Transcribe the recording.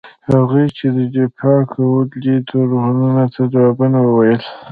هغوی چې دفاع کوله دې تورونو ته ځوابونه وویل.